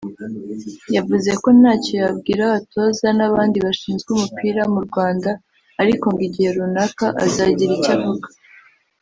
yavuze ko ntacyo yabwira abatoza n’abandi bashinzwe umupira mu Rwanda ariko ngo igihe runaka azagira icyo avuga